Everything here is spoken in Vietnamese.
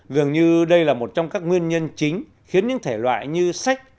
dường như đây là một trong các nguyên nhân chính khiến những thể loại như sách